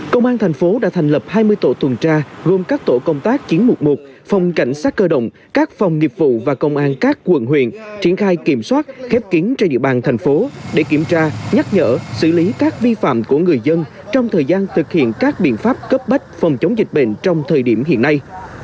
công an tp đã thành lập hai mươi tổ tuần tra gồm các tổ công tác chiến mục một phòng cảnh sát cơ động các phòng nghiệp vụ và công an các quận huyện triển khai kiểm soát khép kiến trên địa bàn tp để kiểm tra nhắc nhở xử lý các vi phạm của người dân trong thời gian thực hiện các biện pháp cấp bách phòng chống dịch bệnh trong thời điểm hiện nay